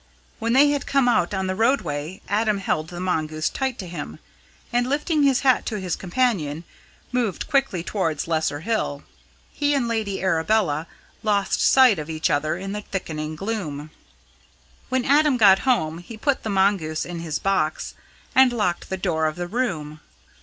When they had come out on the roadway Adam held the mongoose tight to him, and, lifting his hat to his companion, moved quickly towards Lesser Hill; he and Lady Arabella lost sight of each other in the thickening gloom. When Adam got home, he put the mongoose in his box, and locked the door of the room.